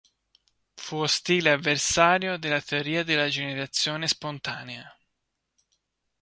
Fu ostile avversario della teoria della generazione spontanea.